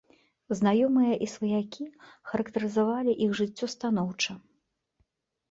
Знаёмыя і сваякі характарызавалі іх жыццё станоўча.